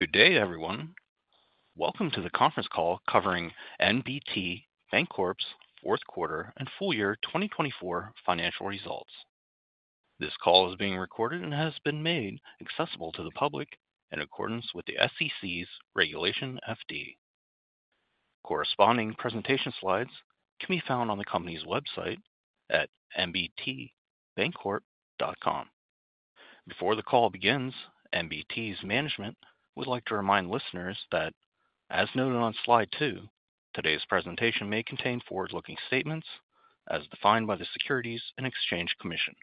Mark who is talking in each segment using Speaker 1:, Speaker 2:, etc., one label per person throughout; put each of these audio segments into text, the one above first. Speaker 1: Good day, everyone. Welcome to the conference call covering NBT Bancorp's Q4 and full year 2024 financial results. This call is being recorded and has been made accessible to the public in accordance with the SEC's Regulation FD. Corresponding presentation slides can be found on the company's website at nbtbancorp.com. Before the call begins, NBT's management would like to remind listeners that, as noted on slide two, today's presentation may contain forward-looking statements as defined by the Securities and Exchange Commission.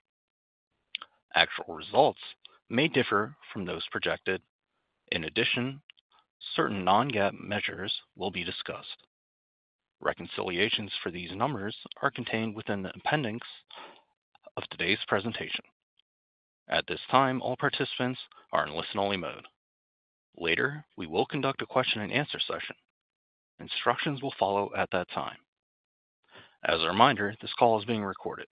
Speaker 1: Actual results may differ from those projected. In addition, certain non-GAAP measures will be discussed. Reconciliations for these numbers are contained within the appendix of today's presentation. At this time, all participants are in listen-only mode. Later, we will conduct a Q&A session. Instructions will follow at that time. As a reminder, this call is being recorded.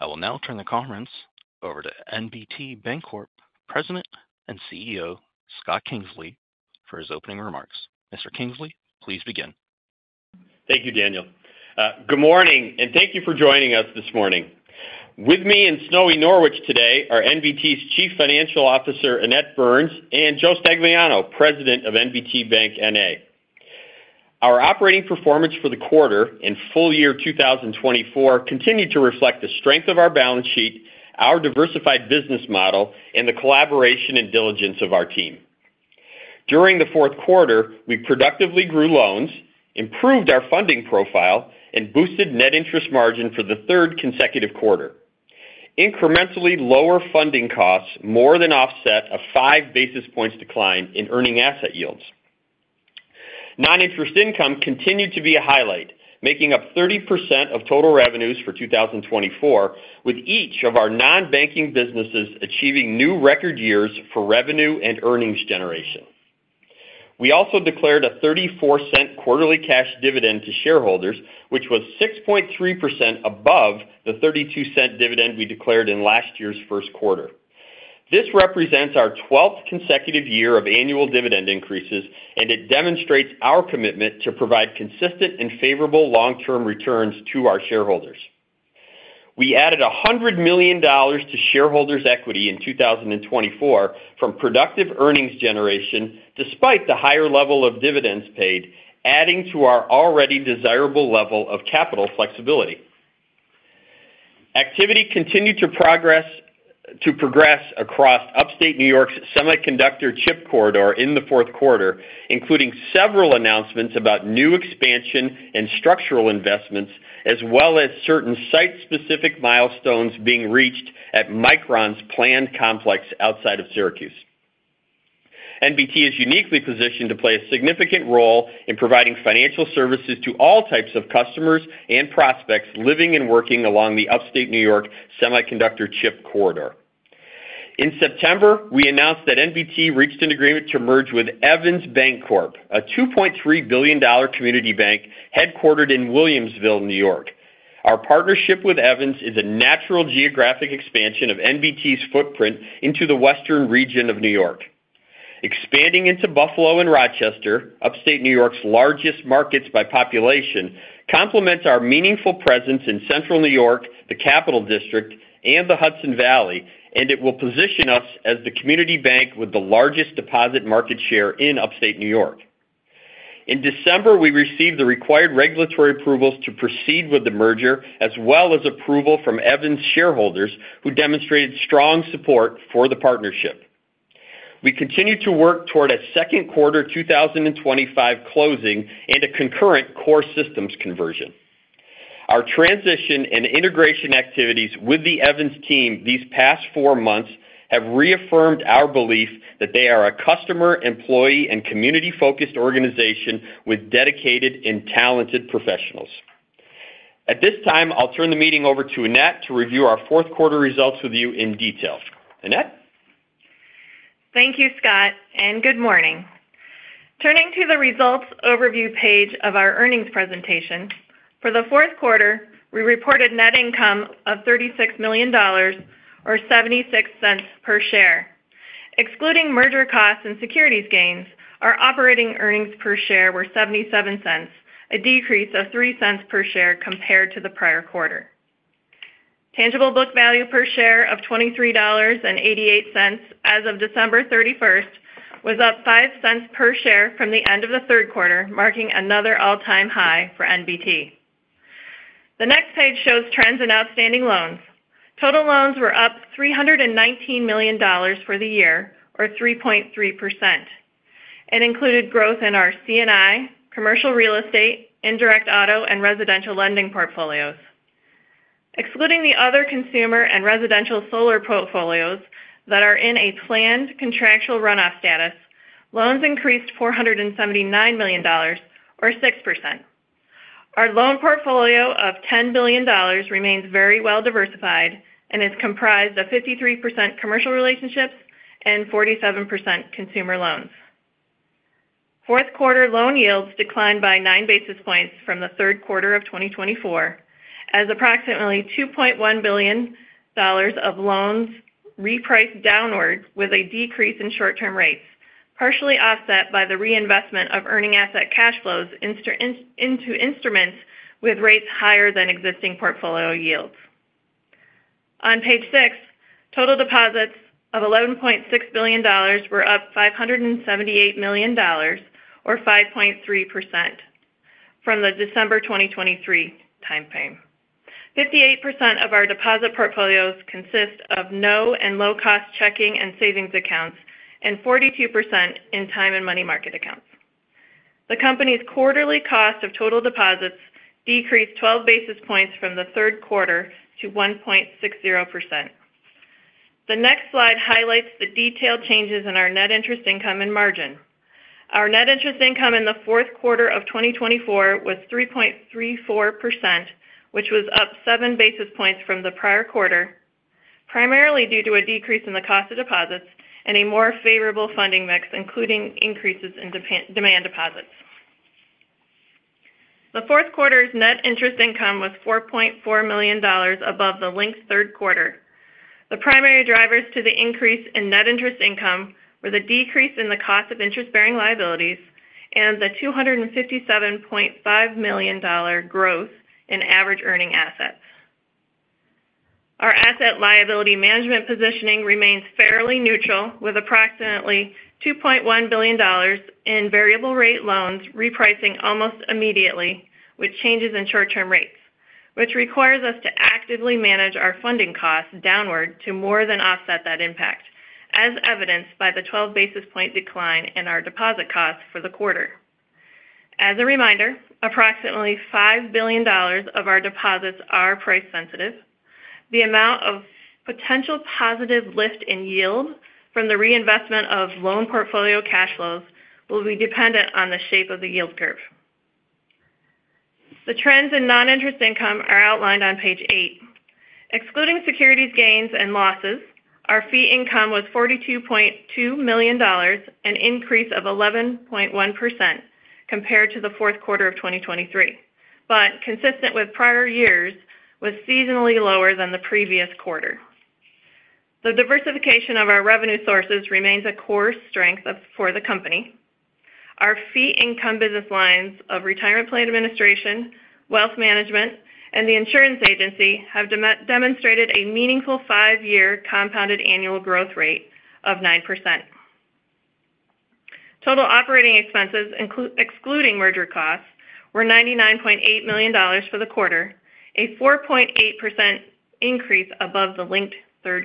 Speaker 1: I will now turn the conference over to NBT Bancorp President and CEO Scott Kingsley for his opening remarks. Mr. Kingsley, please begin.
Speaker 2: Thank you, Daniel. Good morning, and thank you for joining us this morning. With me in snowy Norwich today are NBT's Chief Financial Officer, Annette Burns, and Joe Stagliano, President of NBT Bank, N.A. Our operating performance for the quarter and full year 2024 continued to reflect the strength of our balance sheet, our diversified business model, and the collaboration and diligence of our team. During the Q4, we productively grew loans, improved our funding profile, and boosted net interest margin for the third consecutive quarter. Incrementally lower funding costs more than offset a five basis points decline in earning asset yields. Non-interest income continued to be a highlight, making up 30% of total revenues for 2024, with each of our non-banking businesses achieving new record years for revenue and earnings generation. We also declared a $0.34 quarterly cash dividend to shareholders, which was 6.3% above the $0.32 dividend we declared in last year's Q1. This represents our 12th consecutive year of annual dividend increases, and it demonstrates our commitment to provide consistent and favorable long-term returns to our shareholders. We added $100 million to shareholders' equity in 2024 from productive earnings generation, despite the higher level of dividends paid, adding to our already desirable level of capital flexibility. Activity continued to progress across upstate New York's semiconductor chip corridor in the Q4, including several announcements about new expansion and structural investments, as well as certain site-specific milestones being reached at Micron's planned complex outside of Syracuse. NBT is uniquely positioned to play a significant role in providing financial services to all types of customers, and prospects living and working along the upstate New York semiconductor chip corridor. In September, we announced that NBT reached an agreement to merge with Evans Bancorp, a $2.3 billion Community Bank Headquartered in Williamsville, New York. Our partnership with Evans is a natural geographic expansion of NBT's footprint into the western region of New York. Expanding into Buffalo and Rochester, upstate New York's largest markets by population, complements our meaningful presence in Central New York, the Capital District, and the Hudson Valley, and it will position us as the community bank with the largest deposit market share in upstate New York. In December, we received the required regulatory approvals to proceed with the merger, as well as approval from Evans shareholders, who demonstrated strong support for the partnership. We continue to work toward a Q2 2025 closing and a concurrent core systems conversion. Our transition and integration activities with the Evans team these past four months have reaffirmed our belief that they are a customer, employee, and community-focused organization with dedicated and talented professionals. At this time, I'll turn the meeting over to Annette to review our Q4 results with you in detail. Annette?
Speaker 3: Thank you, Scott, and good morning. Turning to the results overview page of our earnings presentation, for the Q4, we reported net income of $36 million, or $0.76 per share. Excluding merger costs and securities gains, our operating earnings per share were $0.77, a decrease of $0.03 per share compared to the prior quarter. Tangible book value per share of $23.88 as of December 31st was up $0.05 per share from the end of the Q3, marking another all-time high for NBT. The next page shows trends in outstanding loans. Total loans were up $319 million for the year, or 3.3%. It included growth in our C&I, Commercial Real Estate, indirect auto, and residential lending portfolios. Excluding the other consumer and residential solar portfolios that are in a planned contractual runoff status, loans increased $479 million, or 6%. Our loan portfolio of $10 billion remains very well diversified, and is comprised of 53% commercial relationships, and 47% consumer loans. Q4 loan yields declined by nine basis points from the Q3 of 2024, as approximately $2.1 billion of loans repriced downward with a decrease in short-term rates, partially offset by the reinvestment of earning asset cash flows into instruments with rates higher than existing portfolio yields. On page six, total deposits of $11.6 billion were up $578 million, or 5.3%, from the December 2023 timeframe. 58% of our deposit portfolios consist of no and low-cost checking and savings accounts, and 42% in time and money market accounts. The company's quarterly cost of total deposits decreased 12 basis points from the Q3 to 1.60%. The next slide highlights the detailed changes in our net interest income and margin. Our net interest income in the Q4 of 2024 was 3.34%, which was up seven basis points from the prior quarter, primarily due to a decrease in the cost of deposits, and a more favorable funding mix, including increases in demand deposits. The Q4's net interest income was $4.4 million above the linked Q3. The primary drivers to the increase in net interest income were the decrease in the cost of interest-bearing liabilities, and the $257.5 million growth in Average Earning Assets. Our asset liability management positioning remains fairly neutral, with approximately $2.1 billion in variable-rate loans repricing almost immediately with changes in short-term rates, which requires us to actively manage our funding costs downward to more than offset that impact, as evidenced by the 12 basis point decline in our deposit costs for the quarter. As a reminder, approximately $5 billion of our deposits are price-sensitive. The amount of potential positive lift in yield from the reinvestment of loan portfolio cash flows will be dependent on the shape of the yield curve. The trends in non-interest income are outlined on page eight. Excluding securities gains and losses, our fee income was $42.2 million, and an increase of 11.1% compared to the Q4 of 2023, but consistent with prior years, was seasonally lower than the previous quarter. The diversification of our revenue sources remains a core strength for the company. Our fee income business lines of retirement plan administration, wealth management, and the insurance agency have demonstrated a meaningful five-year compounded annual growth rate of 9%. Total operating expenses, excluding merger costs, were $99.8 million for the quarter, a 4.8% increase above the linked Q3.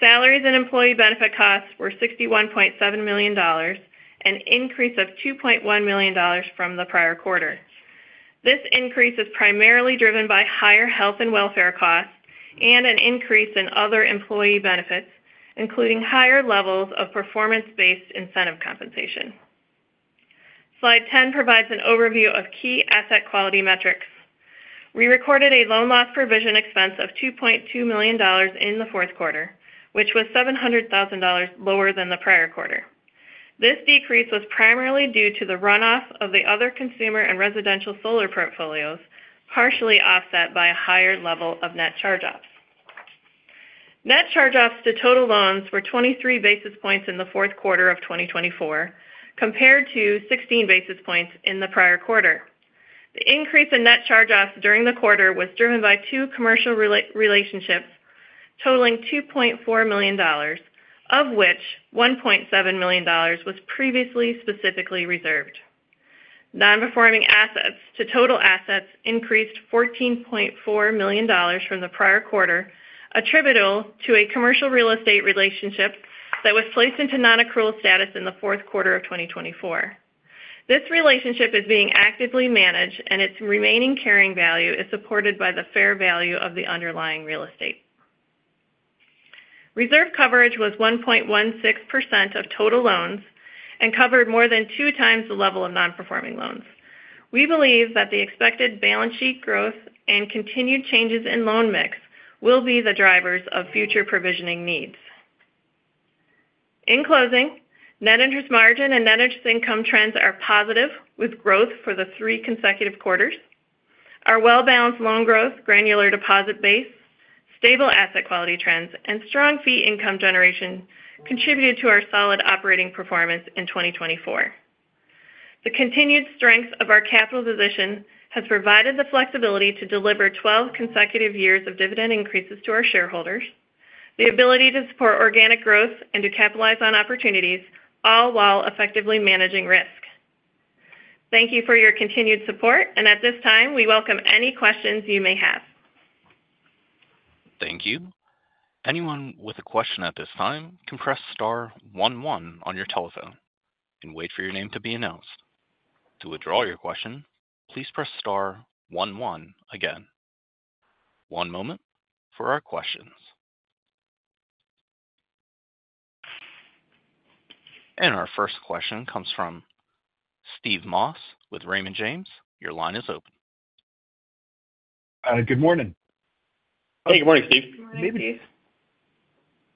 Speaker 3: Salaries and employee benefit costs were $61.7 million, an increase of $2.1 million from the prior quarter. This increase is primarily driven by higher health and welfare costs, and an increase in other employee benefits, including higher levels of performance-based incentive compensation. Slide 10 provides an overview of key asset quality metrics. We recorded a loan loss provision expense of $2.2 million in the Q4, which was $700,000 lower than the prior quarter. This decrease was primarily due to the runoff of the other consumer and residential solar portfolios, partially offset by a higher level of net charge-offs. Net charge-offs to total loans were 23 basis points in the Q4 of 2024, compared to 16 basis points in the prior quarter. The increase in net charge-offs during the quarter was driven by two commercial relationships totaling $2.4 million, of which $1.7 million was previously specifically reserved. Non-performing assets to total assets increased $14.4 million from the prior quarter, attributable to a commercial real estate relationship that was placed into non-accrual status in the Q4 of 2024. This relationship is being actively managed, and its remaining carrying value is supported by the fair value of the underlying real estate. Reserve coverage was 1.16% of total loans and covered more than two times the level of non-performing loans. We believe that the expected balance sheet growth, and continued changes in loan mix will be the drivers of future provisioning needs. In closing, net interest margin and net interest income trends are positive, with growth for the three consecutive quarters. Our well-balanced loan growth, granular deposit base, stable asset quality trends, and strong fee income generation contributed to our solid operating performance in 2024. The continued strength of our capital position has provided the flexibility to deliver 12 consecutive years of dividend increases to our shareholders, the ability to support organic growth, and to capitalize on opportunities, all while effectively managing risk. Thank you for your continued support, and at this time, we welcome any questions you may have.
Speaker 1: Thank you. Anyone with a question at this time can press star one one on your telephone and wait for your name to be announced. To withdraw your question, please press star one one again. One moment for our questions, and our first question comes from Steve Moss with Raymond James. Your line is open.
Speaker 4: Hi, good morning.
Speaker 2: Hey, good morning, Steve.
Speaker 3: Good morning, Steve.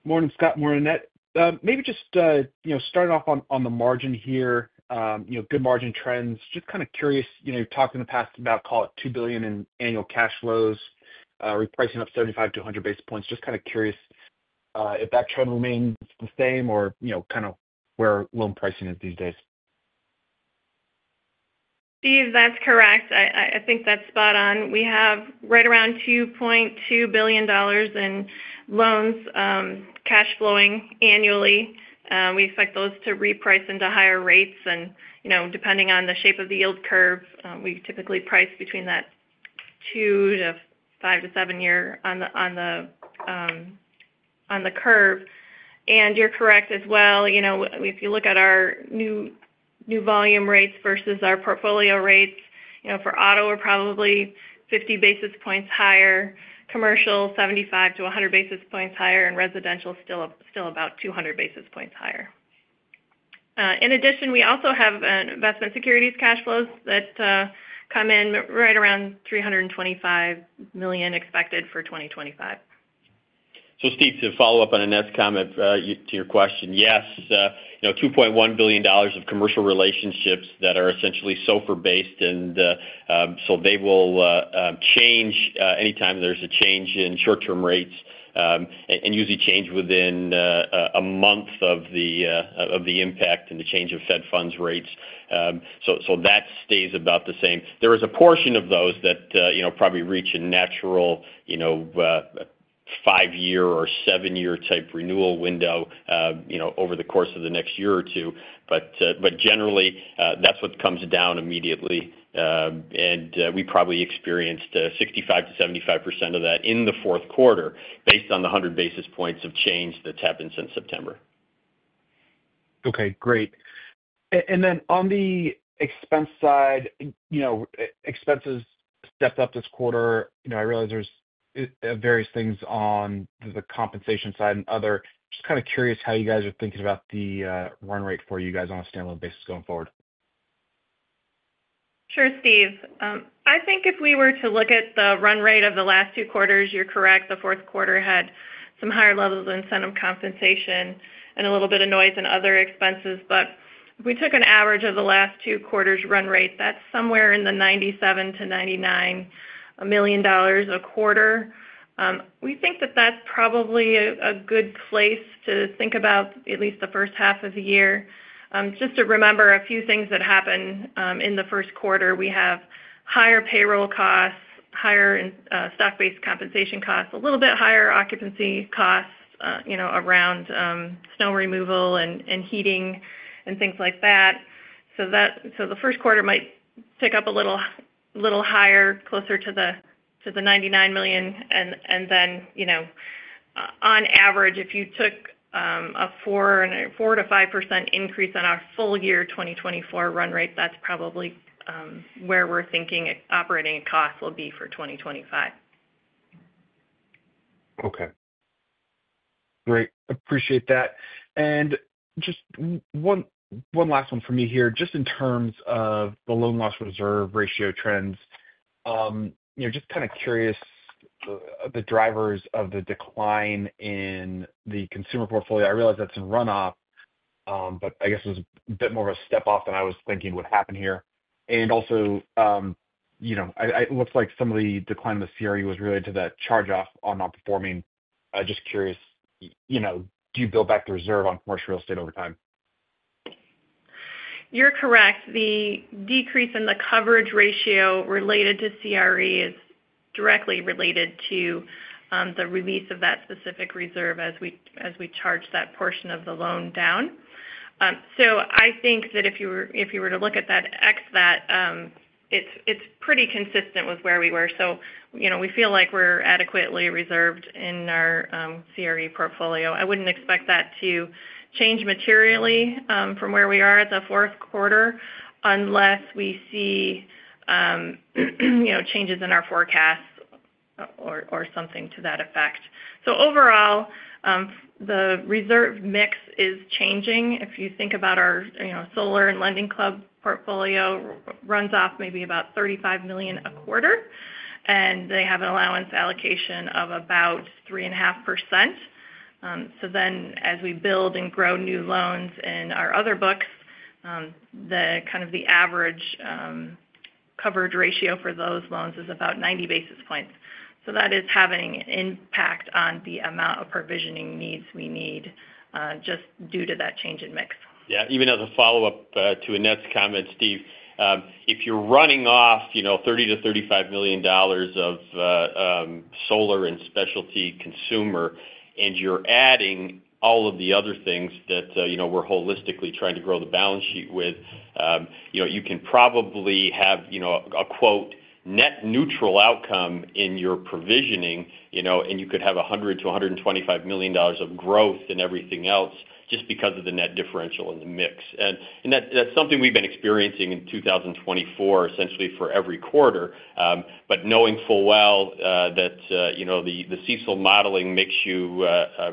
Speaker 4: Good morning, Scott. Morning, Annette. Maybe just, you know, starting off on the margin here, you know, good margin trends. Just kind of curious, you know, you've talked in the past about, call it, $2 billion in annual cash flows, repricing up 75-100 basis points. Just kind of curious if that trend remains the same, or, you know, kind of where loan pricing is these days.
Speaker 3: Steve, that's correct. I think that's spot on. We have right around $2.2 billion in loans cash flowing annually. We expect those to reprice into higher rates. And, you know, depending on the shape of the yield curve, we typically price between that two- to five- to seven-year on the curve. And you're correct as well. You know, if you look at our new volume rates versus our portfolio rates, you know, for auto, we're probably 50 basis points higher, commercial 75-100 basis points higher, and residential still about 200 basis points higher. In addition, we also have investment securities cash flows that come in right around $325 million expected for 2025.
Speaker 2: So Steve, to follow up on Annette's comment to your question, yes, you know, $2.1 billion of commercial relationships that are essentially SOFR-based. And so they will change anytime there's a change in short-term rates and usually change within a month of the impact, and the change of Fed funds rates. So that stays about the same. There is a portion of those that, you know, probably reach a natural five-year, or seven-year type renewal window, you know, over the course of the next year or two. But generally, that's what comes down immediately. And we probably experienced 65%-75% of that in the Q4 based on the 100 basis points of change that's happened since September.
Speaker 4: Okay, great. And then on the expense side, you know, expenses stepped up this quarter. I realize there's various things on the compensation side and other. Just kind of curious how you guys are thinking about the run rate for you guys on a standalone basis going forward.
Speaker 3: Sure, Steve. I think if we were to look at the run rate of the last two quarters, you're correct, the Q4 had some higher levels of incentive compensation, and a little bit of noise and other expenses. But if we took an average of the last two quarters' run rate, that's somewhere in the $97-$99 million a quarter. We think that's probably a good place to think about at least the first half of the year. Just to remember a few things that happened in the Q1. We have higher payroll costs, higher stock-based compensation costs, a little bit higher occupancy costs, you know, around snow removal and heating and things like that. So the Q1 might pick up a little higher, closer to the $99 million. And then, you know, on average, if you took a 4%-5% increase on our full year 2024 run rate, that's probably where we're thinking operating costs will be for 2025.
Speaker 4: Okay. Great. I appreciate that, and just one last one for me here. Just in terms of the loan loss reserve ratio trends, you know, just kind of curious the drivers of the decline in the consumer portfolio. I realize that's in runoff, but I guess it was a bit more of a step off than I was thinking would happen here. And also, you know, it looks like some of the decline in the CRE was related to that charge-off on non-performing. Just curious, you know, do you build back the reserve on commercial real estate over time?
Speaker 3: You're correct. The decrease in the coverage ratio related to CRE is directly related to the release of that specific reserve as we charge that portion of the loan down. So I think that if you were to look at that, exclude that, it's pretty consistent with where we were. So, you know, we feel like we're adequately reserved in our CRE portfolio. I wouldn't expect that to change materially from where we are at the Q4 unless we see, you know, changes in our forecasts, or something to that effect. So overall, the reserve mix is changing. If you think about our, you know, solar and LendingClub portfolio, it runs off maybe about $35 million a quarter, and they have an allowance allocation of about 3.5%. So then as we build and grow new loans in our other books, the kind of the average coverage ratio for those loans is about 90 basis points. So that is having an impact on the amount of provisioning needs we need just due to that change in mix.
Speaker 2: Yeah. Even as a follow-up to Annette's comment, Steve, if you're running off, you know, $30-$35 million of solar and specialty consumer, and you're adding all of the other things that, you know, we're holistically trying to grow the balance sheet with, you know, you can probably have, you know, a "net neutral" outcome in your provisioning, and, you know, you could have $100-$125 million of growth and everything else just because of the net differential in the mix. And that's something we've been experiencing in 2024 essentially for every quarter. But knowing full well that, you know, the CESOL modeling makes you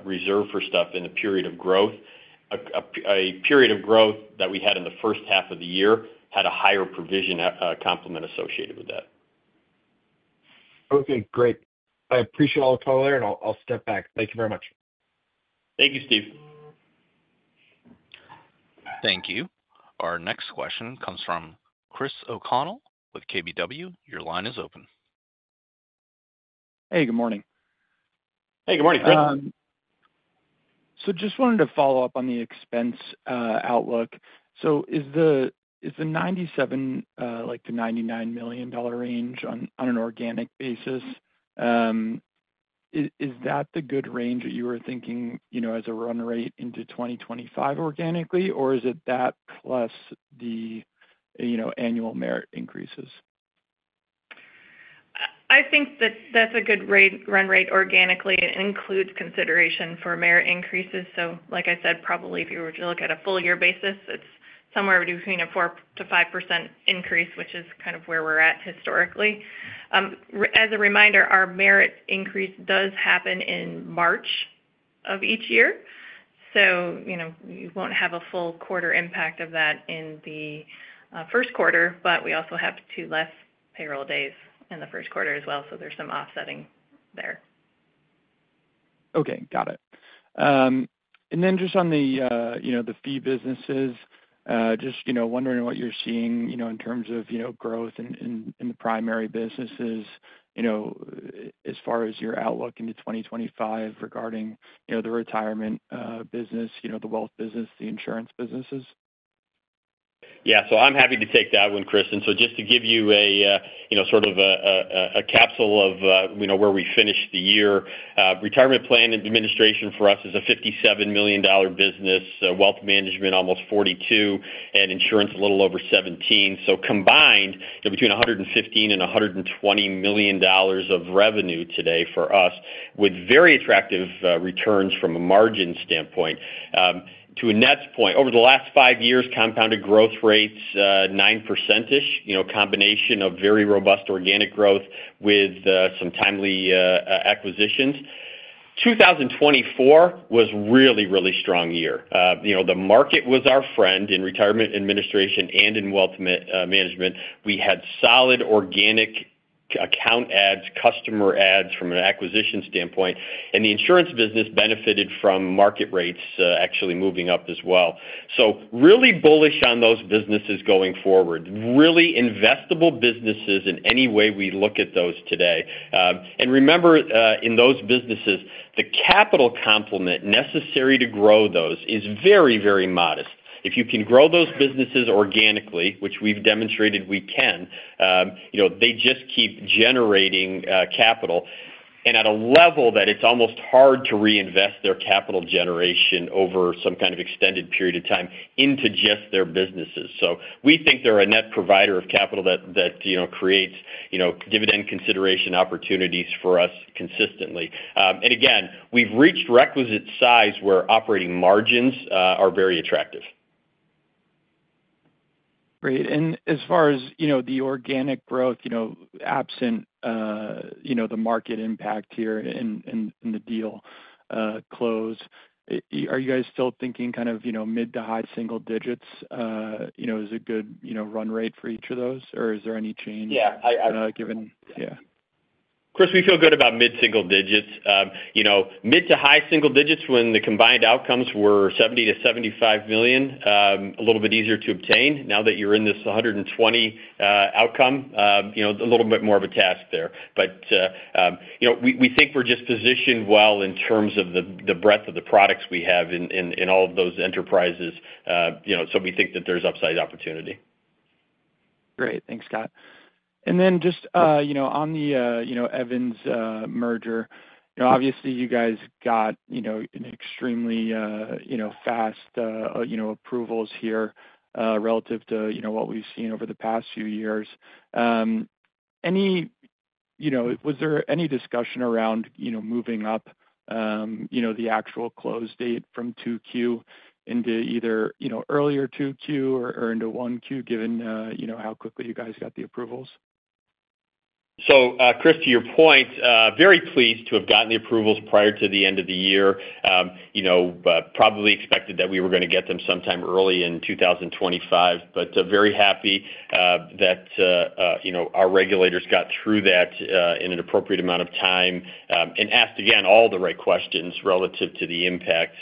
Speaker 2: reserve for stuff in a period of growth, a period of growth that we had in the first half of the year had a higher provision complement associated with that.
Speaker 4: Okay, great. I appreciate all the color there, and I'll step back. Thank you very much.
Speaker 2: Thank you, Steve.
Speaker 1: Thank you. Our next question comes from Chris O'Connell with KBW. Your line is open.
Speaker 5: Hey, good morning.
Speaker 2: Hey, good morning, Chris.
Speaker 5: So just wanted to follow up on the expense outlook. So is the $97-$99 million range on an organic basis, is that the good range that you were thinking, you know, as a run rate into 2025 organically, or is it that plus the, you know, annual merit increases?
Speaker 3: I think that's a good run rate organically. It includes consideration for merit increases. So like I said, probably if you were to look at a full year basis, it's somewhere between a 4%-5% increase, which is kind of where we're at historically. As a reminder, our merit increase does happen in March of each year. So, you know, we won't have a full quarter impact of that in the Q1, but we also have two less payroll days in the Q1 as well. So there's some offsetting there.
Speaker 5: Okay, got it. And then just on the fee businesses, just, you know, wondering what you're seeing in terms of growth in the primary businesses, you know, as far as your outlook into 2025 regarding the retirement business, you know, the wealth business, the insurance businesses?
Speaker 2: Yeah. So I'm happy to take that one, Chris. And so just to give you, you know, sort of a capsule of where we finished the year, retirement plan administration for us is a $57 million business, wealth management almost $42 million, and insurance a little over $17 million. So combined, between $115 million and $120 million of revenue today for us with very attractive returns from a margin standpoint. To Annette's point, over the last five years, compounded growth rates 9%-ish, you know, combination of very robust organic growth with some timely acquisitions. 2024 was a really strong year. You know, the market was our friend in retirement administration and in wealth management. We had solid organic account adds, customer adds from an acquisition standpoint. And the insurance business benefited from market rates actually moving up as well. So really bullish on those businesses going forward, really investable businesses in any way we look at those today. And remember, in those businesses, the capital complement necessary to grow those is very modest. If you can grow those businesses organically, which we've demonstrated we can, you know, they just keep generating capital at a level that it's almost hard to reinvest their capital generation over some kind of extended period of time into just their businesses. So we think they're a net provider of capital that, you know, creates, you know, dividend consideration opportunities for us consistently. And again, we've reached requisite size where operating margins are very attractive.
Speaker 5: Great. And as far as, you know, the organic growth, you know, absent, you know, the market impact here and the deal close, are you guys still thinking kind of, you know, mid to high single digits, you know, is a good run rate for each of those, or is there any change given? Yeah.
Speaker 2: Yeah. Chris, we feel good about mid- to single digits. You know, mid to high single digits when the combined outcomes were $70-$75 million, a little bit easier to obtain. Now that you're in this $120 outcome, a, you know, little bit more of a task there. But, you know, we think we're just positioned well in terms of the breadth of the products we have in all of those enterprises. You know, so we think that there's upside opportunity.
Speaker 5: Great. Thanks, Scott. And then just, you know, on the, you know, Evans merger, obviously, you guys got, you know, extremely, you know, fast approvals here relative to, you know, what we've seen over the past few years. You know, was there any discussion around, you know, moving up, you know, the actual close date from 2Q into either, you know, earlier 2Q or into 1Q given, you know, how quickly you guys got the approvals?
Speaker 2: So Chris, to your point, very pleased to have gotten the approvals prior to the end of the year. You know, probably expected that we were going to get them sometime early in 2025, but very happy that, you know, our regulators got through that in an appropriate amount of time and asked, again, all the right questions relative to the impact.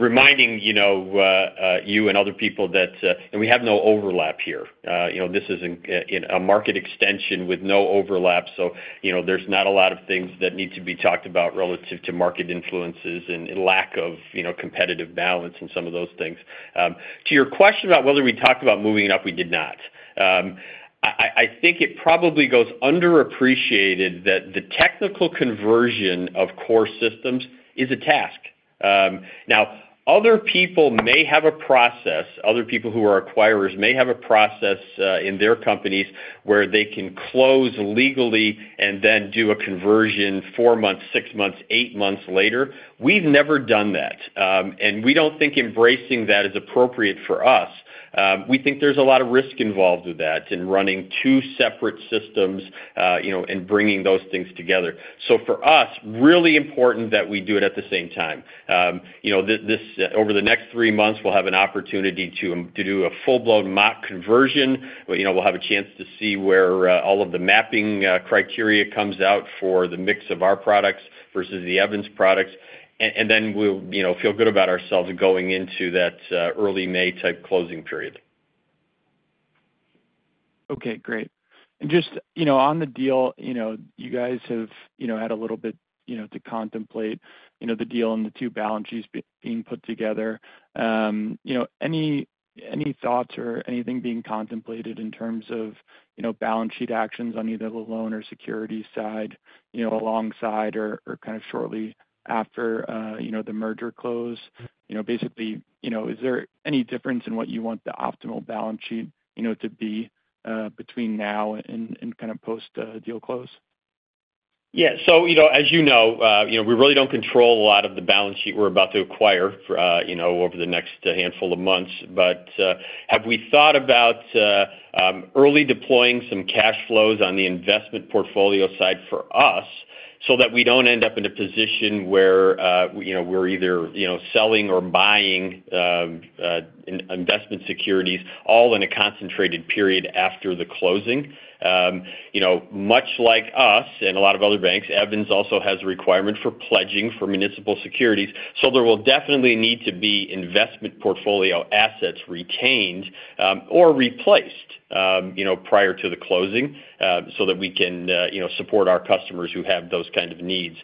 Speaker 2: Reminding, you know, you and other people that we have no overlap here. You know, this is a market extension with no overlap. So, you know, there's not a lot of things that need to be talked about relative to market influences, and lack of, you know, competitive balance and some of those things. To your question about whether we talked about moving up, we did not. I think it probably goes underappreciated that the technical conversion of core systems is a task. Now, other people may have a process. Other people who are acquirers may have a process in their companies where they can close legally, and then do a conversion four months, six months, eight months later. We've never done that. And we don't think embracing that is appropriate for us. We think there's a lot of risk involved with that in running two separate systems, you know, and bringing those things together. So for us, really important that we do it at the same time. You know, over the next three months, we'll have an opportunity to do a full-blown mock conversion. We'll have a chance to see where all of the mapping criteria comes out for the mix of our products versus the Evans products. And then we'll feel good about ourselves going into that early May-type closing period.
Speaker 5: Okay, great. And just, you know, on the deal, you know, you guys have had a little bit, you know, to contemplate the deal and the two balance sheets being put together. You know, any thoughts, or anything being contemplated in terms of, you know, balance sheet actions on either the loan, or security side alongside, or kind of shortly after, you know, the merger close? Basically, you know, is there any difference in what you want the optimal balance sheet, you know, to be between now and kind of post-deal close?
Speaker 2: Yeah. So as you know, we really don't control a lot of the balance sheet we're about to acquire, you know, over the next handful of months. But have we thought about early deploying some cash flows on the investment portfolio side for us, so that we don't end up in a position where, you know, we're either, you know, selling, or buying investment securities all in a concentrated period after the closing? You know, much like us and a lot of other banks, Evans also has a requirement for pledging for municipal securities. So there will definitely need to be investment portfolio assets retained, or replaced, you know, prior to the closing, so that we can, you know, support our customers who have those kind of needs.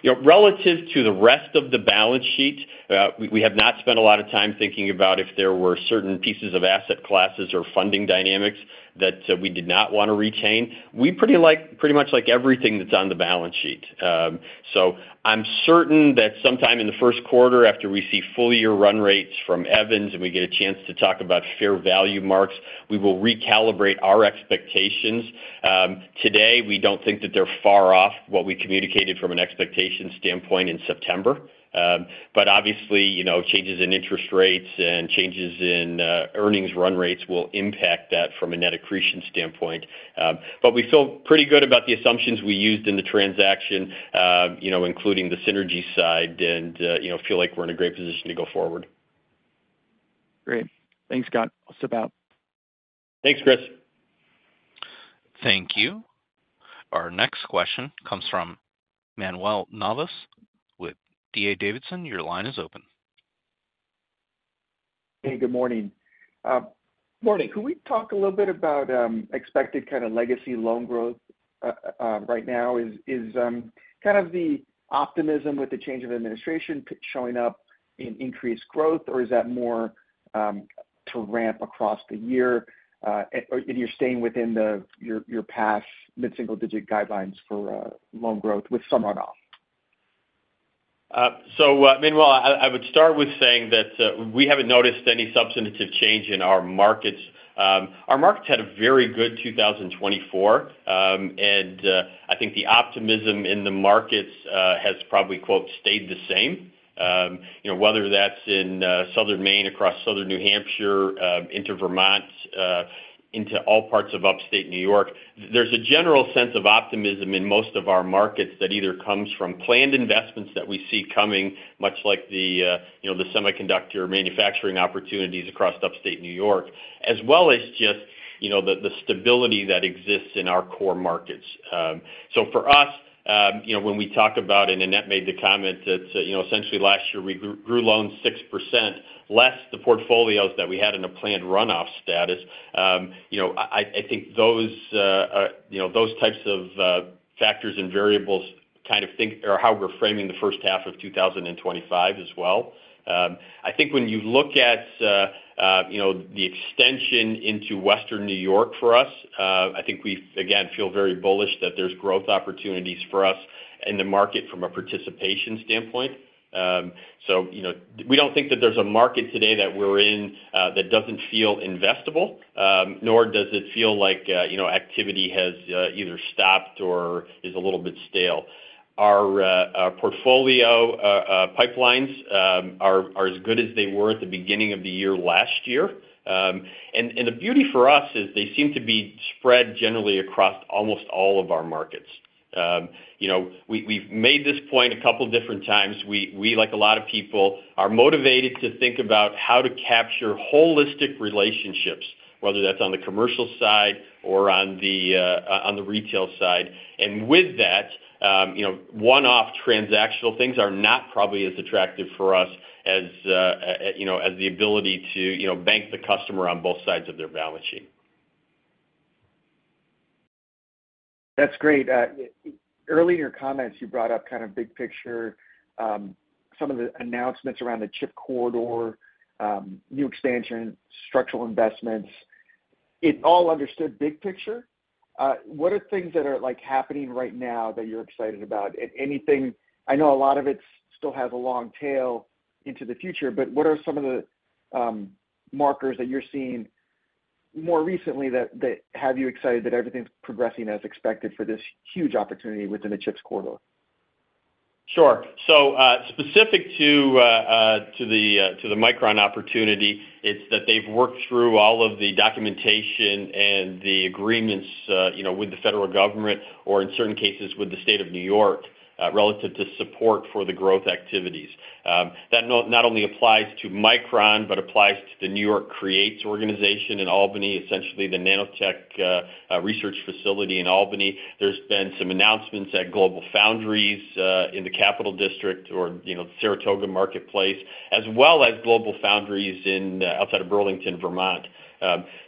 Speaker 2: You know, relative to the rest of the balance sheet, we have not spent a lot of time thinking about if there were certain pieces of asset classes, or funding dynamics that we did not want to retain. We pretty much like everything that's on the balance sheet. So I'm certain that sometime in the Q1 after we see full year run rates from Evans, and we get a chance to talk about fair value marks, we will recalibrate our expectations. Today, we don't think that they're far off what we communicated from an expectation standpoint in September. But obviously, you know, changes in interest rates and changes in earnings run rates will impact that from a net accretion standpoint. But we feel pretty good about the assumptions we used in the transaction, you know, including the synergy side and, you know, feel like we're in a great position to go forward.
Speaker 5: Great. Thanks, Scott. I'll step out.
Speaker 2: Thanks, Chris.
Speaker 1: Thank you. Our next question comes from Manuel Navas with D.A. Davidson. Your line is open.
Speaker 6: Hey, good morning. Morning, could we talk a little bit about expected kind of legacy loan growth right now? Is kind of the optimism with the change of administration showing up in increased growth, or is that more to ramp across the year? And you're staying within your past mid-single digit guidelines for loan growth with some run-off?
Speaker 2: So I mean, well, I would start with saying that we haven't noticed any substantive change in our markets. Our markets had a very good 2024, and I think the optimism in the markets has probably "stayed the same." You know, whether that's in Southern Maine, across Southern New Hampshire, into Vermont, into all parts of upstate New York, there's a general sense of optimism in most of our markets that either comes from planned investments that we see coming, much like the, you know, semiconductor manufacturing opportunities across upstate New York, as well as yeah, you know, the stability that exists in our core markets. So for us, you know, when we talk about, and Annette made the comment that, you know, essentially last year we grew loans 6% less the portfolios that we had in a planned run-off status, you know, I think those, you know, those types of factors and variables kind of think of how we're framing the first half of 2025 as well. I think when you look at, you know, the extension into Western New York for us, I think we, again, feel very bullish that there's growth opportunities for us in the market from a participation standpoint. So, you know, we don't think that there's a market today that we're in that doesn't feel investable, nor does it feel like, you know, activity has either stopped, or is a little bit stale. Our portfolio pipelines are as good as they were at the beginning of the year last year. And the beauty for us is they seem to be spread generally across almost all of our markets. You know, we've made this point a couple of different times. We, like a lot of people, are motivated to think about how to capture holistic relationships, whether that's on the commercial side, or on the retail side. And with that, you know, one-off transactional things are not probably as attractive for us as, you know, as the ability to, you know, bank the customer on both sides of their balance sheet.
Speaker 6: That's great. Early in your comments, you brought up kind of big picture, some of the announcements around the CHIPS corridor, new expansion, structural investments. It's all understood big picture. What are things that are happening right now that you're excited about at anything? I know a lot of it still has a long tail into the future, but what are some of the markers that you're seeing more recently that have you excited that everything's progressing as expected for this huge opportunity within the CHIPS corridor?
Speaker 2: Sure. So specific to the Micron opportunity, it's that they've worked through all of the documentation, and the agreements, you know, with the federal government, or in certain cases with the state of New York, relative to support for the growth activities. That not only applies to Micron, but applies to the New York Creates organization in Albany, essentially the nanotech research facility in Albany. There's been some announcements at GlobalFoundries in the Capital District, or, you know, the Saratoga Marketplace, as well as GlobalFoundries in outside of Burlington, Vermont.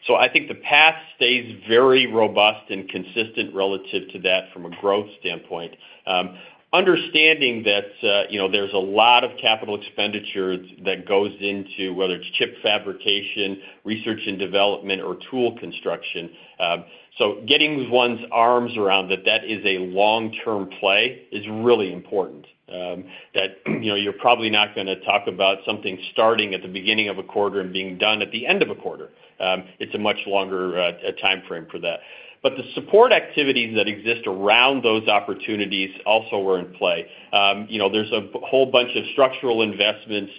Speaker 2: So I think the path stays very robust and consistent relative to that from a growth standpoint, understanding that, you know, there's a lot of capital expenditure that goes into, whether it's chip fabrication, research and development, or tool construction. So getting one's arms around that is a long-term play is really important. That, you know, you're probably not going to talk about something starting at the beginning of a quarter and being done at the end of a quarter. It's a much longer timeframe for that. But the support activities that exist around those opportunities also were in play. You know, there's a whole bunch of structural investments,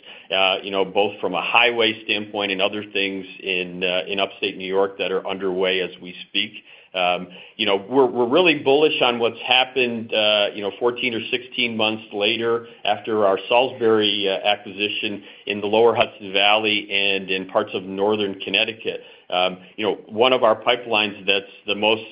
Speaker 2: you know, both from a highway standpoint, and other things in upstate New York that are underway as we speak. You know, we're really bullish on what's happened, you know, 14 or 16 months later after our Salisbury acquisition in the lower Hudson Valley, and in parts of northern Connecticut. You know, one of our pipelines that's the most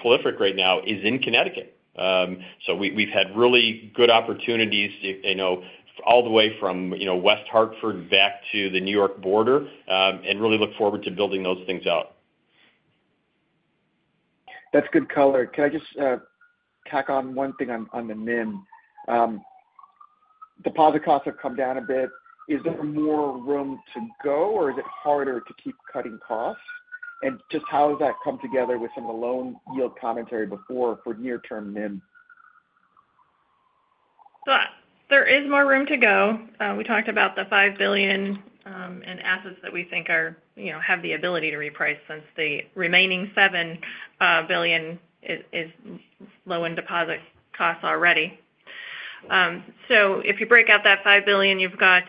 Speaker 2: prolific right now is in Connecticut. So we've had really good opportunities, you know, all the way from, you know, West Hartford back to the New York border, and really look forward to building those things out.
Speaker 6: That's good color. Can I just tack on one thing on the NIM? Deposit costs have come down a bit. Is there more room to go, or is it harder to keep cutting costs? And just how has that come together with some of the loan yield commentary before for near-term NIM?
Speaker 3: There is more room to go. We talked about the $5 billion in assets that we think our, you have, have the ability to reprice since the remaining $7 billion is low in deposit costs already, so if you break out that $5 billion, you've got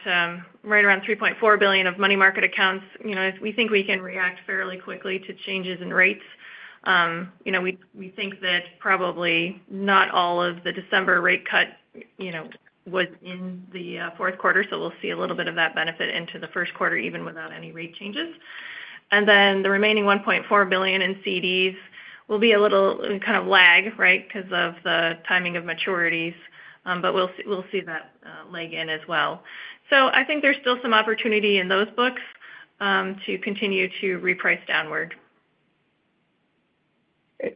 Speaker 3: right around $3.4 billion of money market accounts. You know, we think we can react fairly quickly to changes in rates. You know, we think that probably not all of the December rate cut, you know, was in the Q4, so we'll see a little bit of that benefit into the Q1 even without any rate changes, and then the remaining $1.4 billion in CDs will be a little kind of lag, right, because of the timing of maturities, but we'll see that lag in as well, so I think there's still some opportunity in those books to continue to reprice downward.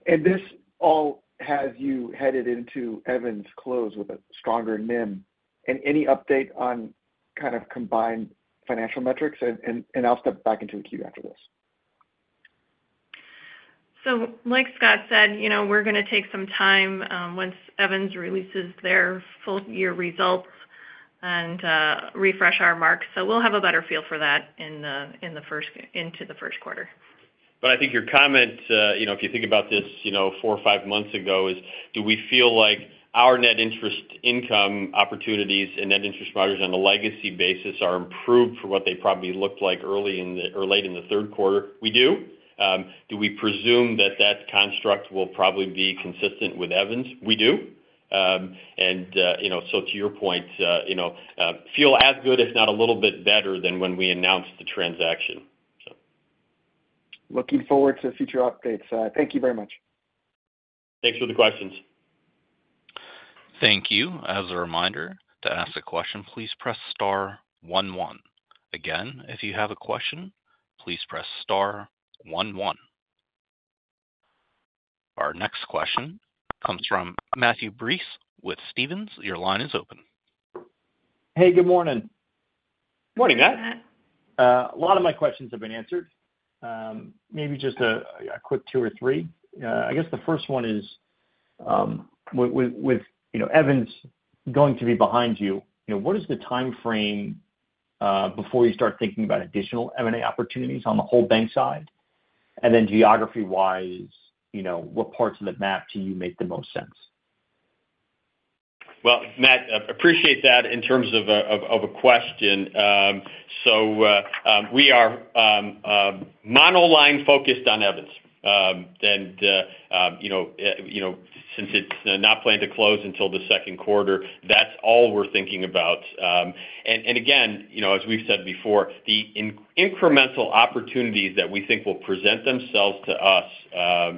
Speaker 6: And this all has you headed into Evans' close with a stronger NIM. And any update on kind of combined financial metrics? And I'll step back into a queue after this.
Speaker 3: So like Scott said, you know, we're going to take some time once Evans releases their full year results and refresh our marks. So we'll have a better feel for that into the Q1.
Speaker 2: But I think your comment, you know, if you think about this, you know, four or five months ago, is do we feel like our net interest income opportunities, and net interest margins on a legacy basis are improved for what they probably looked like early, or late in the Q3? We do. Do we presume that that construct will probably be consistent with Evans? We do. And, you know, so to your point, you know, feel as good, if not a little bit better than when we announced the transaction.
Speaker 6: Looking forward to future updates. Thank you very much.
Speaker 2: Thanks for the questions.
Speaker 1: Thank you. As a reminder, to ask a question, please press star one one. Again, if you have a question, please press star one one. Our next question comes from Matthew Breese with Stephens. Your line is open.
Speaker 7: Hey, good morning.
Speaker 2: Morning, Matt.
Speaker 3: Matt.
Speaker 7: A lot of my questions have been answered. Maybe just a quick two or three. I guess, the first one is with Evans going to be behind you, you know, what is the timeframe before you start thinking about additional M&A opportunities on the whole bank side? And then geography-wise, you know, what parts of the map do you think make the most sense?
Speaker 2: Well, Matt, appreciate that in terms of a question. So we are monoline focused on Evans. You know, since it's not planned to close until the Q2, that's all we're thinking about. Again, you know, as we've said before, the incremental opportunities that we think will present themselves to us,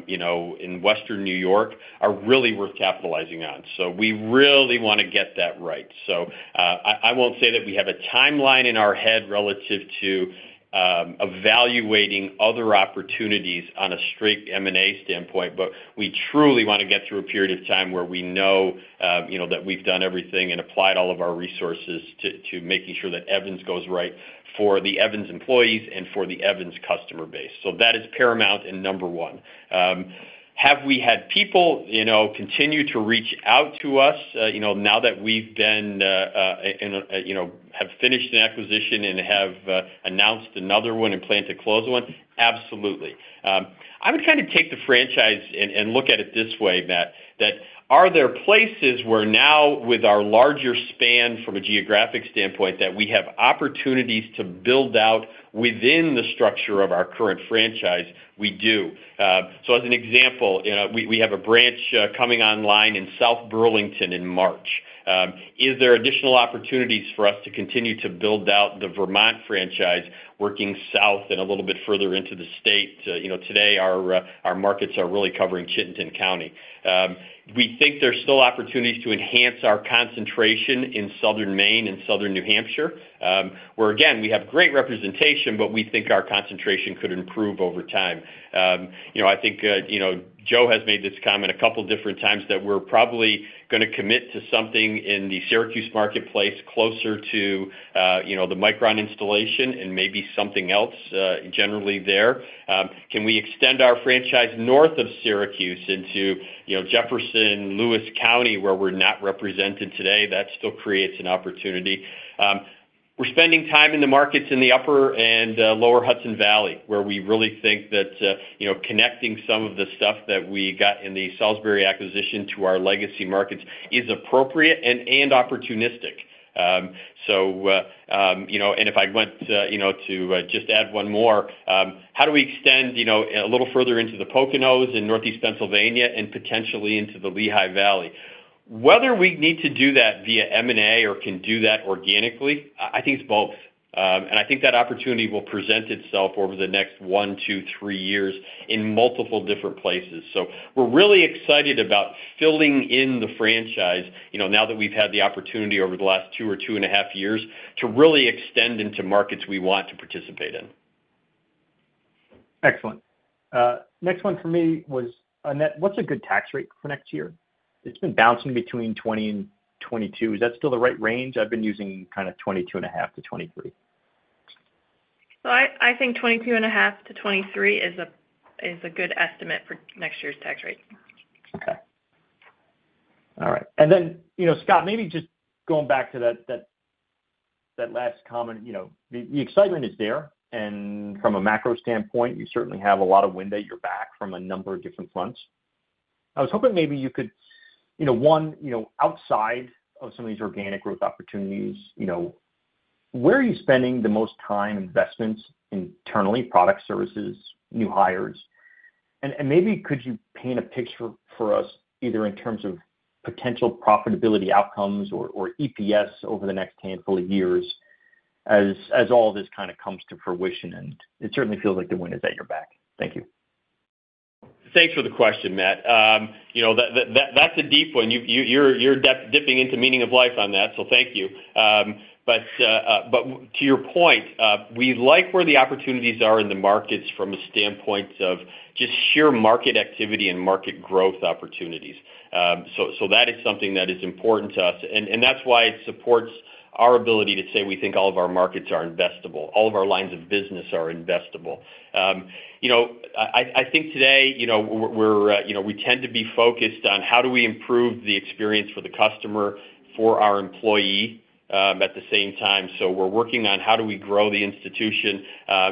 Speaker 2: you know, in Western New York are really worth capitalizing on. So we really want to get that right. So I won't say that we have a timeline in our head relative to evaluating other opportunities on a straight M&A standpoint, but we truly want to get through a period of time where we know, you know, that we've done everything and applied all of our resources to making sure that Evans goes right for the Evans employees, and for the Evans customer base. So that is paramount and number one. Have we had people, you know, continue to reach out to us, you know, now that we've been, you know, and finished an acquisition and have announced another one and planned to close one? Absolutely. I would kind of take the franchise and look at it this way, Matt, that are there places where now with our larger span from a geographic standpoint that we have opportunities to build out within the structure of our current franchise? We do. So as an example, yeah, we have a branch coming online in South Burlington in March. Is there additional opportunities for us to continue to build out the Vermont franchise working south, and a little bit further into the state? You know, today, our markets are really covering Chittenden County. We think there's still opportunities to enhance our concentration in Southern Maine and Southern New Hampshire where, again, we have great representation, but we think our concentration could improve over time. You know, I think, you know, Joe has made this comment a couple of different times that we're probably going to commit to something in the Syracuse marketplace closer to the Micron installation, and maybe something else generally there. Can we extend our franchise north of Syracuse into, you know, Jefferson County, Lewis County where we're not represented today? That still creates an opportunity. We're spending time in the markets in the upper and lower Hudson Valley where we really think that, you know, connecting some of the stuff that we got in the Salisbury acquisition to our legacy markets is appropriate and opportunistic. So, you know, and if I want, you know, to just add one more, how do we extend, you know, a little further into the Poconos in Northeast Pennsylvania and potentially into the Lehigh Valley? Whether we need to do that via M&A, or can do that organically, I think it's both. And I think that opportunity will present itself over the next one, two, three years in multiple different places. So we're really excited about filling in the franchise, you know, now that we've had the opportunity over the last two, or two and a half years to really extend into markets we want to participate in.
Speaker 7: Excellent. Next one for me was, Annette, what's a good tax rate for next year? It's been bouncing between 20% and 22%. Is that still the right range? I've been using kind of 22.5% to 23%.
Speaker 3: I think 22.5%-23% is a good estimate for next year's tax rate.
Speaker 7: Okay. All right. And then, you know, Scott, maybe just going back to that last comment, you know, the excitement is there. And from a macro standpoint, you certainly have a lot of wind at your back from a number of different fronts. I was hoping maybe you could, you know, one, outside of some of these organic growth opportunities, you know, where are you spending the most time investments internally, product services, new hires? And maybe could you paint a picture for us either in terms of potential profitability outcomes, or EPS over the next handful of years as all this kind of comes to fruition? And it certainly feels like the wind is at your back. Thank you.
Speaker 2: Thanks for the question, Matt. You know, that's a deep one. You're dipping into meaning of life on that, so thank you, but to your point, we like where the opportunities are in the markets from a standpoint of just sheer market activity and market growth opportunities, so that is something that is important to us, and that's why it supports our ability to say we think all of our markets are investable. All of our lines of business are investable. You know, I think today, you know, we're, you know, we tend to be focused on how do we improve the experience for the customer, for our employee at the same time, so we're working on how do we grow the institution,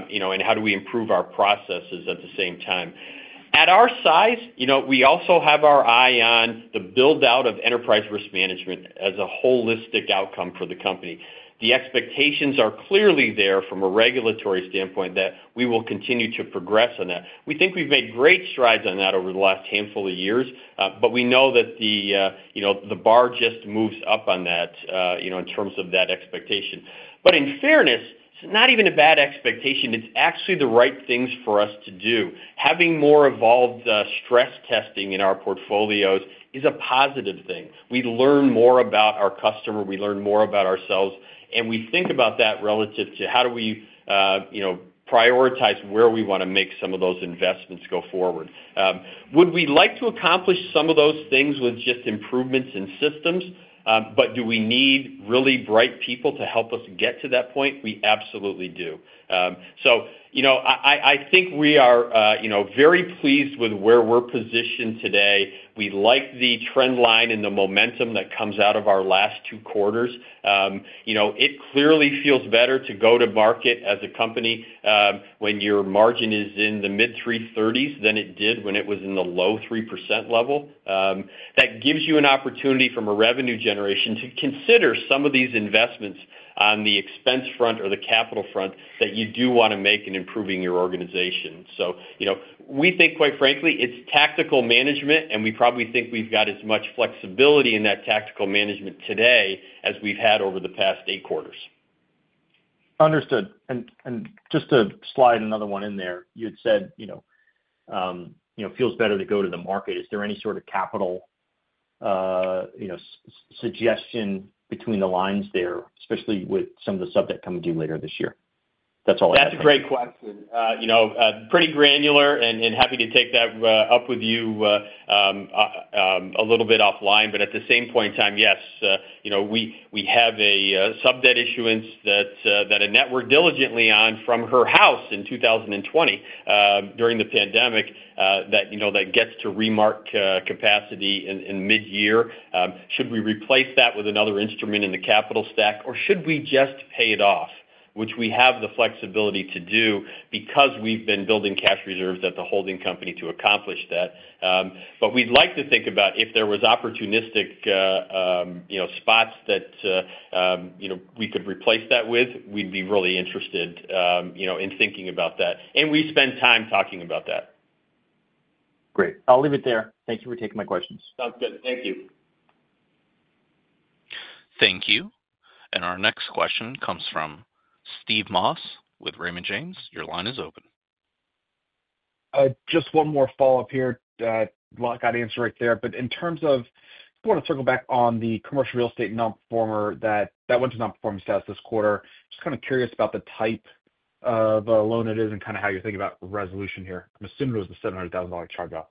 Speaker 2: you know, and how do we improve our processes at the same time. At our size, you know, we also have our eye on the build-out of enterprise risk management as a holistic outcome for the company. The expectations are clearly there from a regulatory standpoint that we will continue to progress on that. We think we've made great strides on that over the last handful of years, but we know that the, you know, bar just moves up on that in terms of that expectation. But in fairness, it's not even a bad expectation. It's actually the right things for us to do. Having more evolved stress testing in our portfolios is a positive thing. We learn more about our customer. We learn more about ourselves. And we think about that relative to how do we, you know, prioritize where we want to make some of those investments go forward. Would we like to accomplish some of those things with just improvements in systems? But do we need really bright people to help us get to that point? We absolutely do. So, you know, I think we are, you know, very pleased with where we're positioned today. We like the trend line, and the momentum that comes out of our last two quarters. You know, it clearly feels better to go to market as a company when your margin is in the mid-330s than it did when it was in the low 3% level. That gives you an opportunity from a revenue generation to consider some of these investments on the expense front, or the capital front that you do want to make in improving your organization. So, you know, we think, quite frankly, it's tactical management, and we probably think we've got as much flexibility in that tactical management today as we've had over the past Q8.
Speaker 7: Understood. And just to slide another one in there, you had said, you know, it feels better to go to the market. Is there any sort of capital suggestion between the lines there, especially with some of the sub debt coming due later this year? That's all I have.
Speaker 2: That's a great question. You know, pretty granular and happy to take that up with you a little bit offline. But at the same point in time, yes, you know, we have a sub debt issuance that Annette worked diligently on from her house in 2020, during the pandemic that, you know, that gets to remark capacity in mid-year. Should we replace that with another instrument in the capital stack, or should we just pay it off, which we have the flexibility to do because we've been building cash reserves at the holding company to accomplish that, but we'd like to think about if there was opportunistic, you know, spots that, you know, we could replace that with, we'd be really interested, you know, in thinking about that, and we spend time talking about that.
Speaker 7: Great. I'll leave it there. Thank you for taking my questions.
Speaker 2: Sounds good. Thank you.
Speaker 1: Thank you. And our next question comes from Steve Moss with Raymond James. Your line is open.
Speaker 4: Just one more follow-up here. I got to answer right there. But in terms of, I want to circle back on the commercial real estate non-performer that went to non-performing status this quarter. Just kind of curious about the type of loan it is and kind of how you're thinking about resolution here. I'm assuming it was the $700,000 charge-off.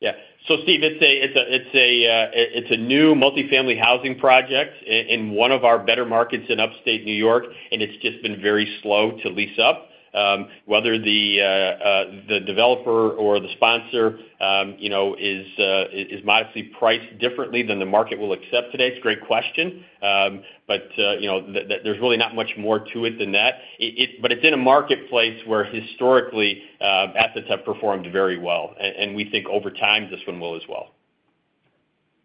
Speaker 2: Yeah. So, Steve, it's a new multifamily housing project in one of our better markets in upstate New York, and it's just been very slow to lease up. Whether the developer, or the sponsor, you know, is modestly priced differently than the market will accept today, it's a great question. But, you know, there's really not much more to it than that. But it's in a marketplace where historically, assets have performed very well. And we think over time, this one will as well.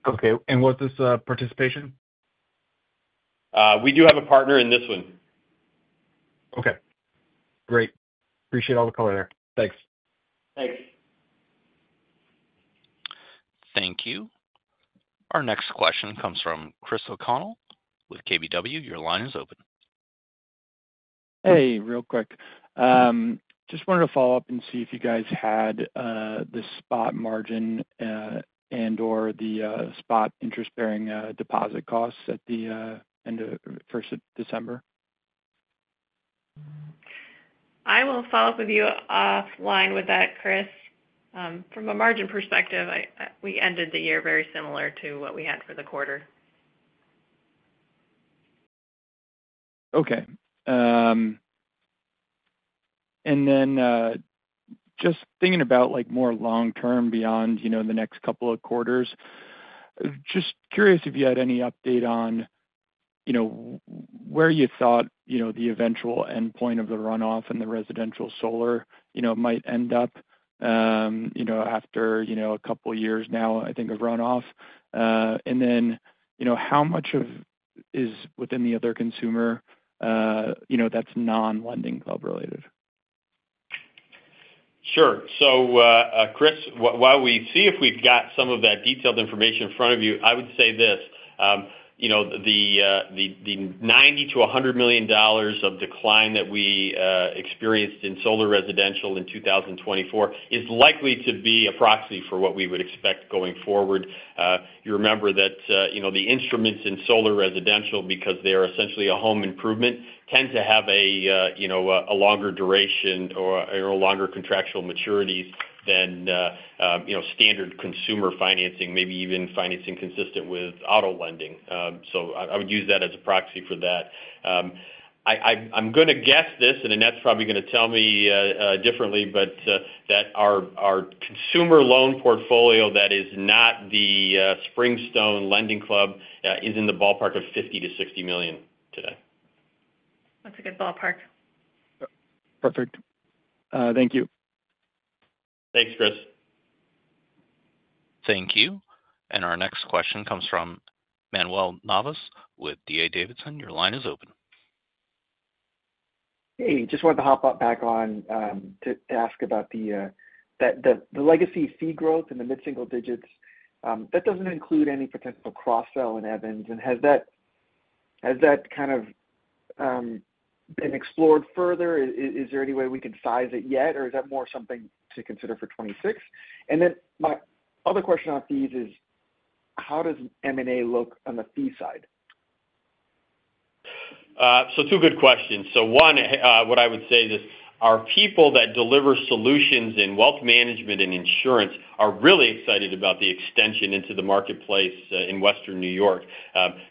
Speaker 4: Okay. And what's this participation?
Speaker 2: We do have a partner in this one.
Speaker 4: Okay. Great. Appreciate all the color there. Thanks.
Speaker 2: Thanks.
Speaker 1: Thank you. Our next question comes from Chris O'Connell with KBW. Your line is open.
Speaker 5: Hey, real quick. Just wanted to follow up and see if you guys had the spot margin and, or the spot interest-bearing deposit costs at the end of 1st of December?
Speaker 3: I will follow up with you offline with that, Chris. From a margin perspective, we ended the year very similar to what we had for the quarter.
Speaker 5: Okay. And then just thinking about, like, more long-term beyond, you know, the next couple of quarters, just curious if you had any update on, you know, where you thought the eventual endpoint of the runoff and the residential solar, you know, might end up, you know, after a couple of years now, I think, of runoff? And then, you know, how much of is within the other consumer, you know, that's non-LendingClub related?
Speaker 2: Sure. So Chris, while we see if we've got some of that detailed information in front of you, I would say this, you know, the $90-$100 million of decline that we experienced in solar residential in 2024 is likely to be approximately for what we would expect going forward. You remember that, you know, the instruments in solar residential, because they are essentially a home improvement, tend to have a, you know, longer duration, or longer contractual maturities than, you know, standard consumer financing, maybe even financing consistent with auto lending. So I would use that as a proxy for that. I'm going to guess this, and Annette's probably going to tell me differently, but that our consumer loan portfolio that is not the Springstone LendingClub is in the ballpark of $50-$60 million today.
Speaker 3: That's a good ballpark.
Speaker 5: Perfect. Thank you.
Speaker 2: Thanks, Chris.
Speaker 1: Thank you. And our next question comes from Manuel Navas with D.A. Davidson. Your line is open.
Speaker 6: Hey, just wanted to hop back on to ask about the legacy fee growth in the mid-single digits. That doesn't include any potential cross-sell in Evans. And has that kind of been explored further? Is there any way we can size it yet, or is that more something to consider for 2026? And then my other question on fees is, how does M&A look on the fee side?
Speaker 2: Two good questions. One, what I would say is our people that deliver solutions in wealth management and insurance are really excited about the extension into the marketplace in Western New York.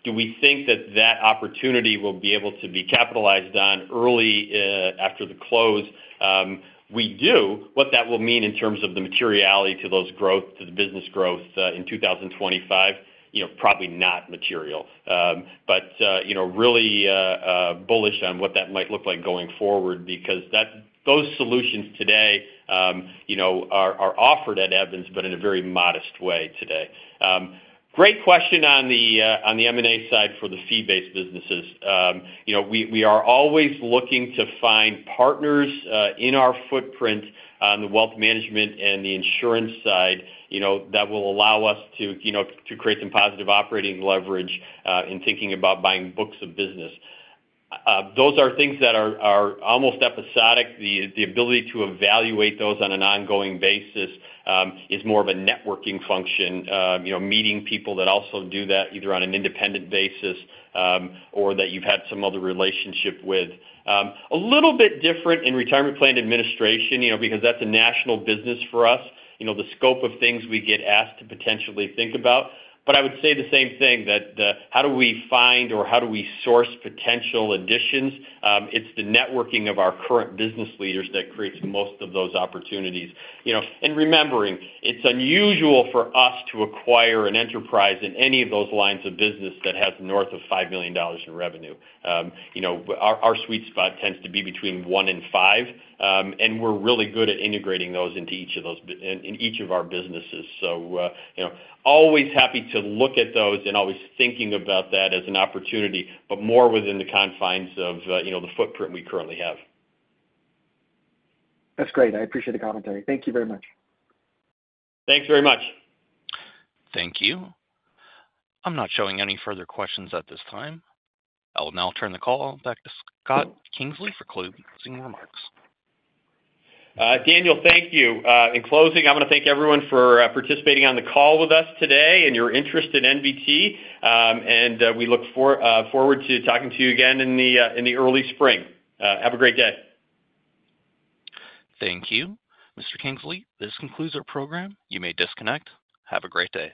Speaker 2: Do we think that that opportunity will be able to be capitalized on early after the close? We do. What that will mean in terms of the materiality to those growth, to the business growth in 2025? You know, probably not material. But, you know, really bullish on what that might look like going forward because those solutions today, you know, are offered at Evans, but in a very modest way today. Great question on the M&A side for the fee-based businesses. You know, we are always looking to find partners in our footprint on the wealth management, and the insurance side, you know, that will allow us to, you know, create some positive operating leverage in thinking about buying books of business. Those are things that are almost episodic. The ability to evaluate those on an ongoing basis is more of a networking function, meeting people that also do that either on an independent basis, or that you've had some other relationship with. A little bit different in retirement plan administration because that's a national business for us, you know, the scope of things we get asked to potentially think about. But I would say the same thing that how do we find, or how do we source potential additions? It's the networking of our current business leaders that creates most of those opportunities. You know, and remembering, it's unusual for us to acquire an enterprise in any of those lines of business that has north of $5 million in revenue. You know, our sweet spot tends to be between one and five. And we're really good at integrating those into each of our businesses. So, you know, always happy to look at those and always thinking about that as an opportunity, but more within the confines of the footprint we currently have.
Speaker 6: That's great. I appreciate the commentary. Thank you very much.
Speaker 2: Thanks very much.
Speaker 1: Thank you. I'm not showing any further questions at this time. I'll now turn the call back to Scott Kingsley for closing remarks.
Speaker 2: Daniel, thank you. In closing, I want to thank everyone for participating on the call with us today and your interest in NBT. And we look forward to talking to you again in the early spring. Have a great day.
Speaker 1: Thank you, Mr. Kingsley. This concludes our program. You may disconnect. Have a great day.